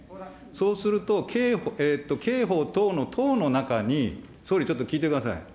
そうすると、刑法等の等の中に、総理、ちょっと聞いてください。